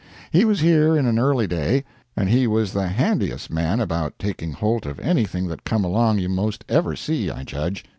He was here in an early day, and he was the handyest man about takin' holt of anything that come along you most ever see, I judge.